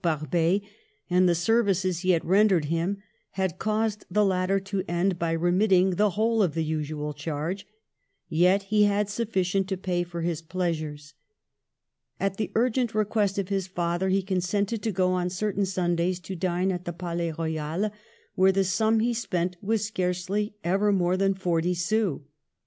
Barbet and the services he had rendered him had caused the latter to end by remitting the whole of the usual charge ; yet he had sufficient to pay for his pleasures. At the urgent request of his father he con sented to go on certain Sundays to dine at the Palais Royal, where the sum he spent was scarcely ever more than forty sous!